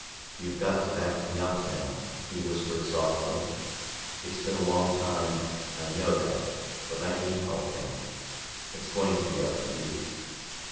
"You've got to back me up now," he whispered softly. "It's been a long time, I know that, but I need help now. It's going to be up to you."